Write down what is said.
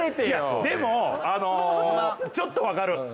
いやでもちょっとわかる。